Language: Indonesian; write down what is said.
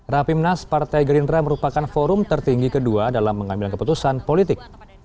rapimnas partai gerindra merupakan forum tertinggi kedua dalam mengambil keputusan politik